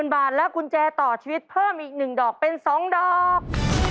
บาทและกุญแจต่อชีวิตเพิ่มอีก๑ดอกเป็น๒ดอก